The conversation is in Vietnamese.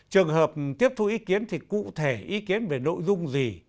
trường hợp tiếp thu ý kiến thì cụ thể ý kiến về nội dung gì